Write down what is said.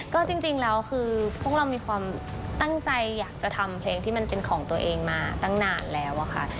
ก็จริงแล้วคือพวกเรามีความตั้งใจอยากจะทำเพลงที่มันเป็นของตัวเองมาตั้งนานแล้วอะค่ะ